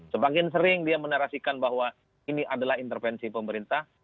semakin sering dia menarasikan bahwa ini adalah intervensi pemerintah